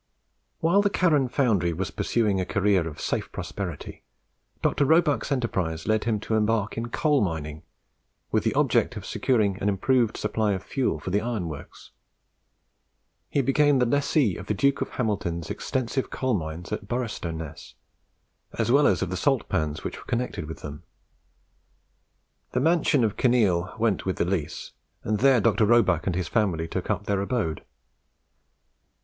While the Carron foundry was pursuing a career of safe prosperity, Dr. Roebuck's enterprise led him to embark in coal mining, with the object of securing an improved supply of fuel for the iron works. He became the lessee of the Duke of Hamilton's extensive coal mines at Boroughstoness, as well as of the salt pans which were connected with them. The mansion of Kinneil went with the lease, and there Dr. Roebuck and his family took up their abode.